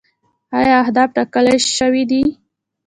آیا اهداف ټاکل شوي دي؟